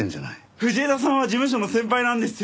藤枝さんは事務所の先輩なんですよ！